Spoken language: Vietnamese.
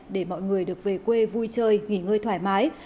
để mọi người được về quê vui chơi nghỉ ngơi thoải mái